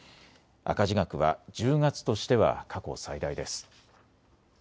赤字額は１０月としては過去最大です。